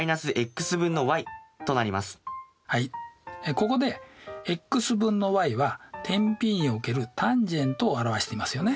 ここでｘ分のｙは点Ｐにおけるｔａｎを表していますよね。